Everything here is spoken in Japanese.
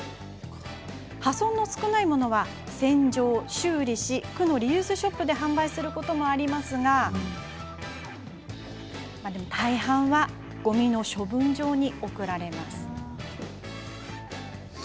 破損の少ないものは洗浄、修理し区のリユースショップで販売することもありますが大半はごみの処分場に送られます。